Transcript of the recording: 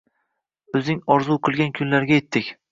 O’zing orzu qilgan kunlarga yetdik.